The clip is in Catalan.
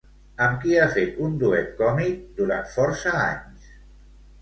Amb qui ha fet un duet còmic durant força anys?